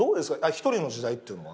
１人の時代っていうのは。